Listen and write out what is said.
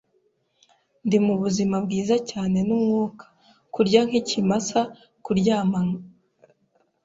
Ndi mubuzima bwiza cyane numwuka, kurya nk'ikimasa, kuryama nka a